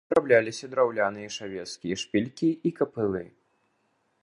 Вырабляліся драўляныя шавецкія шпількі і капылы.